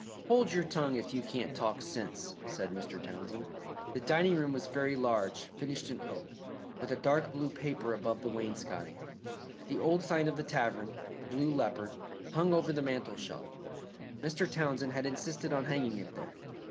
"Hold your tongue if you can't talk sense," said Mr. Townsend. The dining room was very large, finished in oak, with a dark blue paper above the wainscotting. The old sign of the tavern, the Blue Leopard, hung over the mantel shelf. Mr. Townsend had insisted on hanging it there.